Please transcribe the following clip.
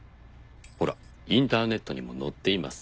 ほらインターネットにも載っています。